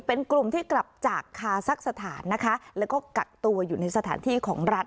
เป็นกลุ่มที่กลับจากคาซักสถานนะคะแล้วก็กักตัวอยู่ในสถานที่ของรัฐ